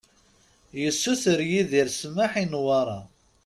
Yessuter Yidir ssmaḥ i Newwara.